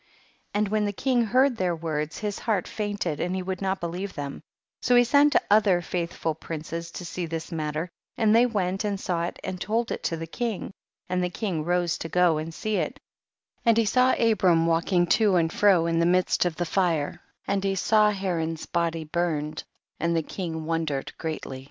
28. And when the king heard their words his heart fainted and he would not believe them ; so he sent other faithful princes to see this mat ter, and they went and saw it and told it to the king ; and tlie king rose to go and sec it, and he saw Abram walking to and fro in the midst of the fire, and he saw Haran's body burned, and the king wonder ed greatly.